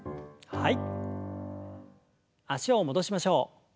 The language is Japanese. はい。